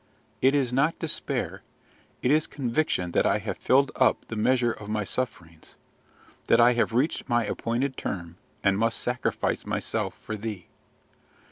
It is not despair: it is conviction that I have filled up the measure of my sufferings, that I have reached my appointed term, and must sacrifice myself for thee.